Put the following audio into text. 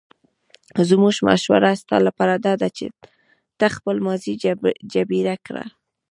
زموږ مشوره ستا لپاره داده چې ته خپله ماضي جبیره کړه.